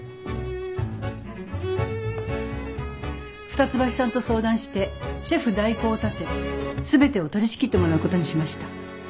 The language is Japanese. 二ツ橋さんと相談してシェフ代行を立て全てを取りしきってもらうことにしました。